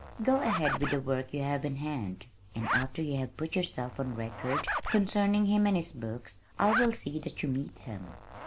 Go ahead with the work you have in hand, and after you have put yourself on record concerning him and his books I will see that you meet him."